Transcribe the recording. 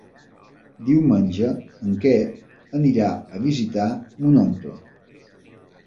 Diumenge en Quer anirà a visitar mon oncle.